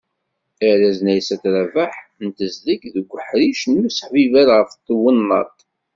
Arraz n Aysat Rabaḥ n tezdeg deg uḥric n useḥbiber ɣef twennaḍt.